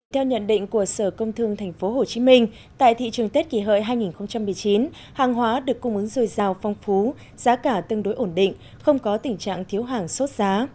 theo nhận định của sở công thương tp hcm tại thị trường tết kỷ hợi hai nghìn một mươi chín hàng hóa được cung ứng dồi dào phong phú giá cả tương đối ổn định không có tình trạng thiếu hàng sốt giá